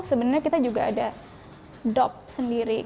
sebenarnya kita juga ada dop sendiri